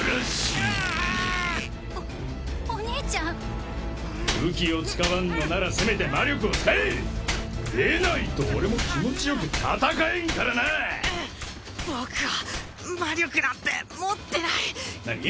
ううおお兄ちゃん武器を使わんのならせめて魔力を使え！でないと俺も気持ちよく戦えんからな僕は魔力なんて持ってない何！？